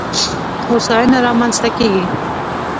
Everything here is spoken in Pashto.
هوساینه رامنځته کېږي.